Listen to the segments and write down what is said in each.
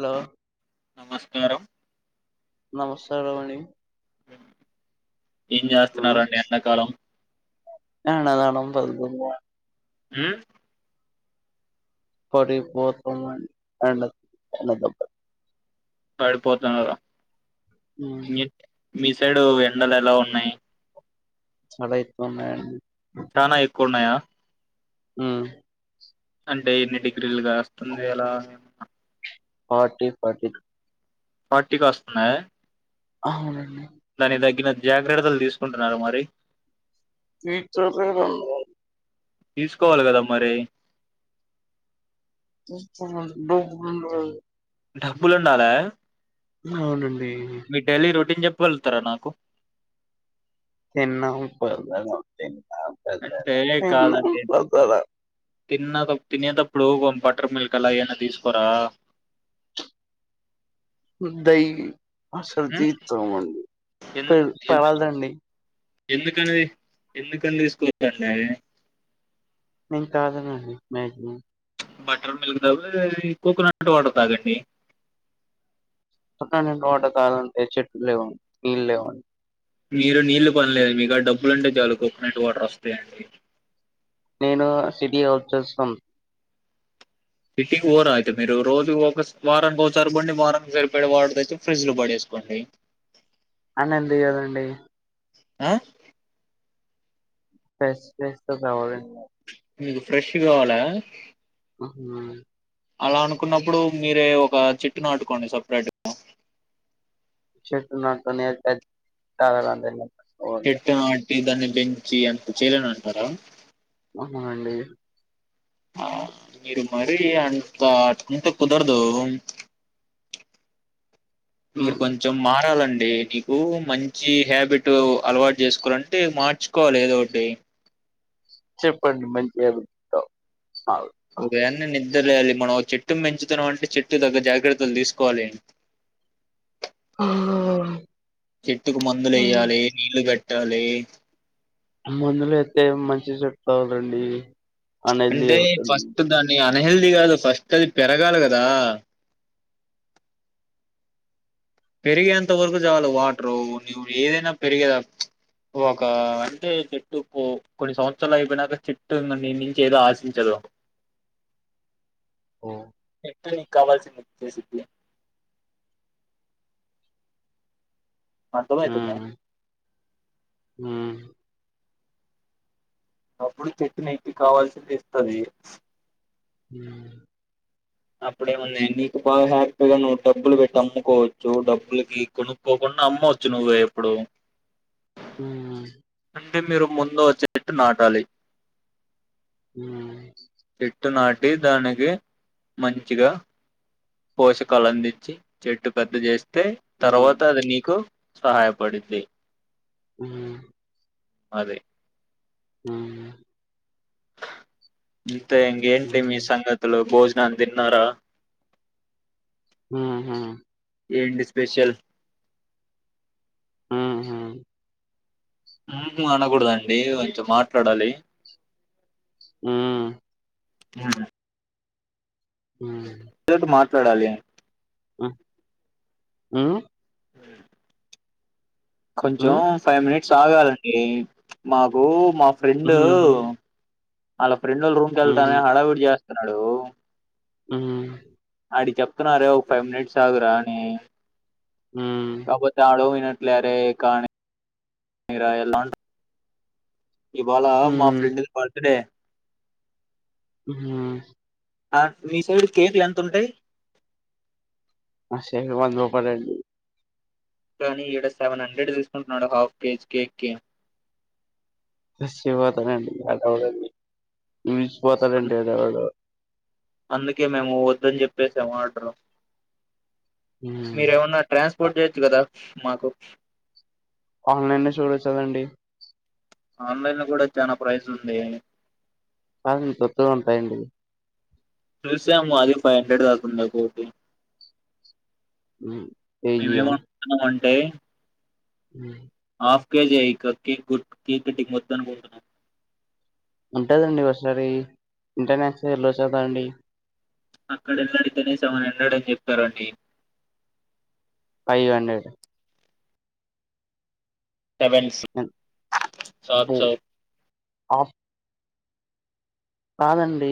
Hello నమస్కారం నమస్కారం అండి ఏం చేస్తన్నారండి ఎండాకాలం యా వాళ్ళని నమ్మొద్దు మ్మ్ సరే పోతున్నాను పండక్కి [inaudible] పడిపోతున్నారా హ్మ్మ్ మీ- మీ సైడు ఎండలు ఎలా ఉన్నాయి చాలా ఎక్కువ ఉన్నాయండి చానా ఎక్కువున్నాయా ఉమ్ అంటే ఎన్ని డిగ్రీలు కాస్తుంది ఎలా ఫార్టీ ఫార్టీటూ ఫార్టీ కాస్తుందా అవునండి దానికి తగ్గిన జాగ్రత్తలు తీసుకుంటున్నారా మరి [unintelligible] తీసుకోవాలి కదా మరి బ మ డబ్బులుండాల అవునండి ఏం చెప్ప వెళ్తారా నాకు తిన్నా పడుకోడానికి వచ్చిన అంటే కాదండి పదాలు తిన్న తినేటప్పుడు కొ బట్టర్ మిల్క్ అలా ఏన్న తీసుకోరా డైలీ అసలు ఉమ్? తీసుకోమండి ఎందు సరే ఎందు తాగండి ఎందుకని ఎందుకని తీసుకో [unintelligible] మేం తాగమండి మ్యాక్సిమం బటర్ మిల్క్ బదులు కోకోనట్ వాటర్ తాగండి కో కో నట్ వాటర్ కావాలంటే చెట్టు లేవండి నీళ్ళు లేవండి మీరు నీళ్లు పనిలేదు మీక డబ్బులుంటే చాలు కోకోనట్ వాటర్ వస్తాయండి నేను సిటీ వచ్చేస్తాను సిటీ కి పోరా అయితే మీరు రోజు ఒక వారానికి పోండి వారానికి సరిపయే వాటర్ తెచ్చి ఫ్రిజ్ లో పడేసు కోండి అవునండి అవునండి ఆ ఫ్రెష్ ఫ్రెష్ తో కావాలి మీకు ఫ్రెష్ కావాలా అలా అనుకున్నప్పుడు మీరే ఒక చెట్టు నాటుకోండి సపరేట్ గా చెట్టు నాతోనే [unintelligible] చెట్టు నాటి దాన్ని పెంచి అంత చేయలేని అంటారా అవునండి ఆ మీరు మరి అంత ఇంత కుదరదు మీరు ఉమ్, కొంచెం మారాలండి ఈడ నీకు మంచి హ్యాబిట్ అలవాటు చేసుకోవాలంటే మార్చుకోవాలి ఏద ఒకటి చెప్పండి మంచిగా వింటాం ఉదయాన్నే నిద్ర లేవాలి మనం ఒక చెట్టు పెంచుతున్నాం అంటే చెట్టు తగ్గ జాగ్రత్తలు తీసుకోవాలి ఆ చెట్టుకు మందులు లెయ్యాలి నీళ్లు పెట్టాలి మందులు అయితే మంచి చెప్తవాలండి అంటే ఫస్ట్ దాన్ని అన్హెల్దీ కాదు ఫస్ట్ అది పెరగాలి కదా పెరిగేంత వరకు చాలు వాటర్ నువు ఏదైనా పెరిగేదా ఒక అంటే చెట్టు కొన్ని సంవత్సరాలు అయిపోయినాక చెట్టు ని నుంచి ఏదో ఆశించదు [unintelligible] ఓ ఇని కావాల్సి చేసితి అర్ధమైతుందా హ అప్పుడు చెట్ ఎక్కి కావాల్సింది ఇస్తుది [unintelligible] అప్పుడేమన్నా నీకు బాగా హ్యాపీగా నువ్వు డబ్బులు పెట్టి అమ్ముకోవచ్చు డబ్బులకి కొనుక్కోకు అమ్మవచ్చు నువ్వ ఎప్పుడు హ నుండి మీరు ముందు వచ్చేట్టు నాటాలి [unintelligible] చెట్టు నాటి దానికి మంచిగా పోషకాలు అందించి చెట్టు పెద్ద చేస్త అతే మ్మ్ మ్మ్ తర్వాత అది నీకు సహాయపడింది [unintelligible] అదే ఉమ్ అంతే ఇ మ్మ్ మ్మ్ ఏంటిలీ మీ సంగతులు బోజ న తిన్నారా [unintelligible] ఏంటి స్పెషల్ ఉమ్ అనకూడదండి కొంచెం మాట్లాడాలి ఉమ్ ఆ [unintelligible] చూడాలి ఉమ్ కొంచెం హ్మ్. ఫైవ్ మినిట్స్ ఆగాలండి మాకు మా ఫ్రెండు హ్మ్. వాళ్ళ ఫ్రెండ్ రూమ్ క వెళ్తాన హడావిడి చేస్తున్నాడు ఉమ్ అడి చెప్తున్నారే ఒక ఫైవ్ మినిట్స్ ఆగురా అని హ్మ్. కాకపోతే ఆడ వినట్ లరే కానీ ఎలా ఇవాళ మా హ్మ్. ఫ్రెండ్ బర్త్డే హ ఆ మీ సైడ్ కేక్లు ఎంత ఉంటాయి. [unintelligible] కానీ ఈక్కడ సెవెన్ హండ్రెడ్ తీసుకుంటున్నాడు హాఫ్ కేజీ కేక్ కి [inaudible] అందుకే మేము వద్దని చెప్పేసాం ఆర్డర్ హ్మ్. మీర ఏమన్నా ట్రాన్స్పోర్ట్ చేయొచ్చు కదా మాకు ఆన్లైన్ చూడొచ్చగదండి ఆన్లైన్ లో కూడా చాలా ప్రైస్ ఉంది కా కొత్తగా ఉంటాయండి చూసాము అది ఫైవ్ హండ్రెడ్ కాతుంది ఒకటి [unintelligible] మేమేమి అంటున్నాము అంటే [unintelligible] హాఫ్ కేజీయే ఏక్ కు కేక్ కటింగ్ మొత్తం పోతున్నాం. ఉంటదండి ఒసారి ఇంటర్నేషనల్ ఎల్లో చదా అండి. అక్కడ వెళ్ళడు కనీసం వెళ్ళాడని చెప్తారండి. ఫైవ్ హండ్రెడ్ సెవెన్స్ అబ్బో! సాత్సౌ ఆఫ్ కాదండి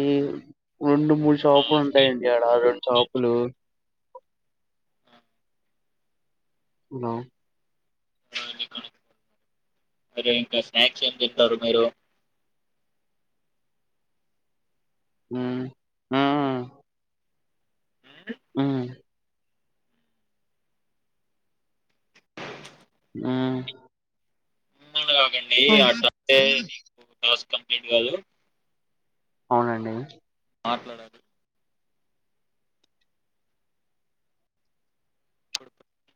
రెండు మూడు ఆ, షాపులు హాఫ్ కేజీ ఉంటాయండి ఆడ హాఫ్ రెండు కేజీ షాపులు. ఆ, హలో అ రికార్డ్ [inaudible] మరి ఇంకా స్నాక్స్ ఏం తింటారు మీరు? ఆ ఆ ఆ ఆ ఆ [inaudible] కాకండి ఆ ట్రే నీకు టాస్క్ కంప్లీంట్ కాదు. అవునండి. మాట్లాడాలి.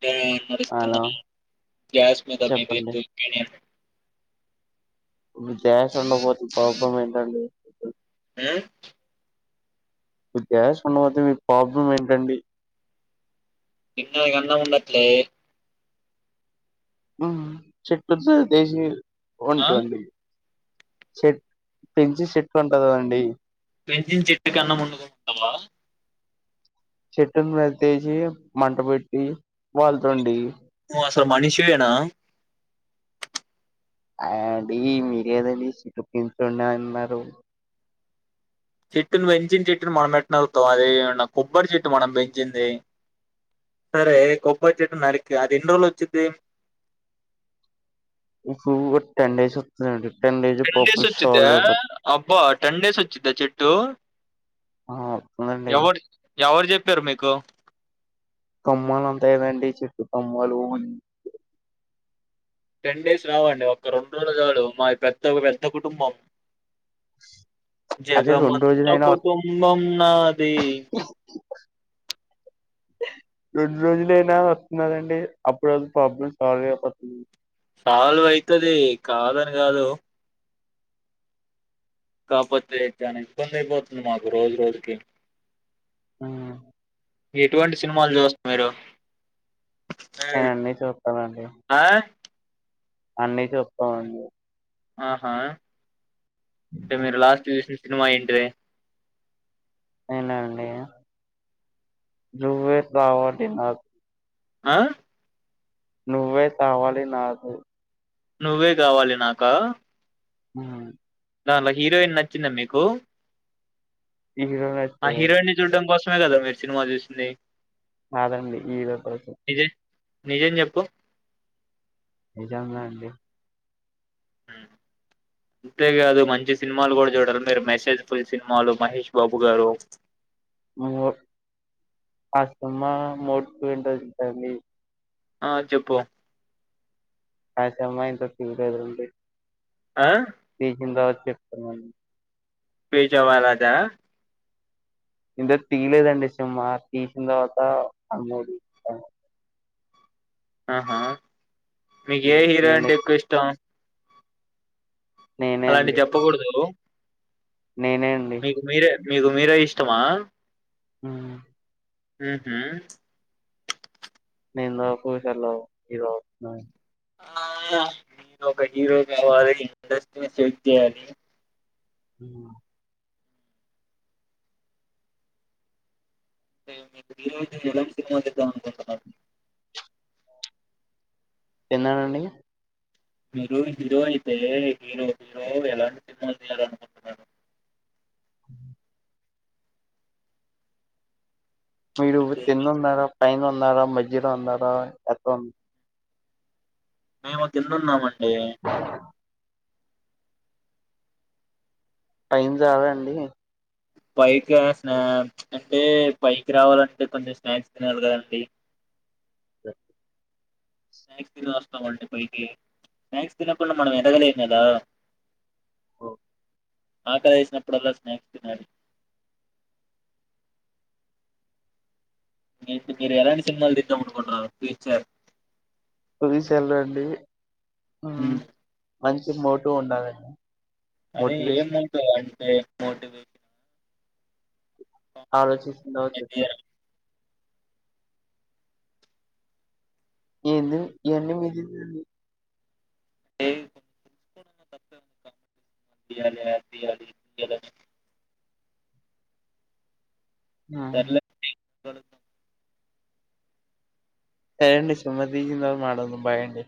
గ్యా హలో పరిస్తున్నది గ్యాస్ మీద మీ [inaudible] చెప్పండి ఇప్పుడు గ్యాస్ ఉండకపోతే ప్రాబ్లం ఏంటండి? ఆ ఇప్పుడు గ్యాస్ ఉండకపోతే మీ ప్రాబ్లం ఏంటండి. తింటానికి అన్నం ఉండట్లే. ఆ చెక్ ప్లేస్లా దేశీ ఆ? వండండి. చెట్ పెంచి చెట్ ఉంటందండి. పెంచిన చెట్టుకి అన్నం వండు కుంటవా? చెట్టును నరితేసి మంట పెట్టి వంట అండి. త మనిషివేనా అయండి మీరే కందండి చిపించండి అన్నారు. చెట్టును పెంచిన చెట్టుని మనం ఎట్టానరుకుతాం, అది ఎమన్నా కొబ్బరి చెట్టు మనం పెంచింది. సరే కొబ్బరి చెట్టును నరికా అది ఎన్ని రోజులు వచ్చిద్ది. ఇప్పుడు ఒటెన్ డేస్ వస్తదండి. టెన్ డేస్ వచ్చిద్దా అబ్బా టెన్ డేస్ వచ్చిద్దా చెట్టు. ఆ వస్తుంది అండి. ఎవ్వరు చెప్పారు మీకు? కొమ్మలు ఉంటాయి కదండి చెట్టు కొమ్మలు. టెన్ డేస్ రావండి ఒక రెండు రోజులు చాలు మా పెద్ద పెద్ద కుటుంబం. అదే రెండు జగమంత రోజులైనా కుటుంబం నాది రెండు రోజులుయినా వస్తున్నాదండి. అప్పుడు వరకు ప్రాబ్లం సాల్వ్ అయిపోతుంది. సాల్వ్ అయితది కాదని కాదు. కాకపోతే చానా ఇబ్బంది అయిపోతుంది మాకు రోజు రోజుకి. హా ఎటువంటి సినిమాలు చూస్తా మీరు? నేనంన్ని చూస్తానండి. ఆ అన్నీ చూస్తమండి. ఆహా అంటే హ్మ్. మీరు లాస్ట్ చూసిన సినిమా ఏంటిది. నేనాఅండి నువ్వే కావాలి నాకు. ఆ నువ్వే కావాలి నాకు. నువ్వే కావాలి నాకా? హ దానిట్లో హీరోయిన్ నచ్చింద మీకు హీరో ఆ నచ్చాడండి. హీరోయిన్ ని చూడ్డం కోసం ే కదా మీరు సినిమా చూసింది కాదండి హీరో కోసం నిజం నిజం చెప్పు నిజంగా అండి హ్మ్మ్ అంతేకాదు మంచి సినిమాలు కూడా చూడాలి మీరు మెసేజ్ ఫుల్ సినిమాలు మహేష్ బాబు గారు మో ఆ సమ్మా మోట్ వింటంటడి ఆ చెప్పు అర్థం అయిందా సీరియల్ గుండి ఆ తీసిన తర్వాత చెప్తామండి పేచవాలాద ఇంత తీయలేదండి సినిమా తీసిన తర్వాత అమ్మూ ఆహా మీకు ఏ హ్మ్. హీరో అంటే నేనే ఎక్కువ ఇష్టం నేనే అలాంటి అండి. చెప్పకూడదు నేనే అండి మీకు మీరే మీకు మీరే ఇష్టమా హ ఉహు నేను ఇంతవకు చ ఇద అతున్నా మీరు ఒక హీరో కావాలి ఇండస్ట్రీని సెక్ చేయాలి హ మీరు హీరో ఐతే ఎలాంటి సినిమాలు తీద్దాం అనుకుంటున్నారు తిన్నారండి మీరు హీరో అయితే హీరో హీరో ఎలాంటి సినిమాలు తీయాలనుకుంటున్నారు అ మీరు అంటే తిన్న ఉన్నారా పైన ఉన్నారా మజ్జిలో ఉన్నారా ఎంత మేము కింద ఉన్నామండి టైం జవ అండి పైకి స్నా అంటే పైకి రావాలంటే కొంచెం స్నాక్స్ తినాలి కదండి ఓ స్నాక్స్ తిన వస్తామండి పైకి స్నాక్స్ తినకుండా మనం ఎదగలేం కదా ఓ ఆకలి వేసినప్పుడల్లా స్నాక్స్ తినలి మీ మీరు ఎలాంటి సినిమాలు తీద్దాం అనుకుంటున్నారు ఫ్యూచర్ పసల అండి మ్మ్. మంచి మోటు ఉండాలండి అదే ఏం మోటివేషన్ మోటో అంటే మోటిది ఆలోచించిన తర్వాత చెప్తా అండి ఎందు ఎన్నన్ని విదింది ఎబ్ తియ్యాల తియ్యాలి ఆ స సరేండి సుమతిీజీంద మా బాయంండి